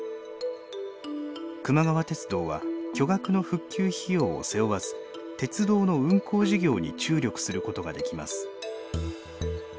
くま川鉄道は巨額の復旧費用を背負わず鉄道の運行事業に注力することができます。